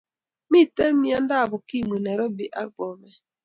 Miten miandab ukimwi nairobi ak Bomet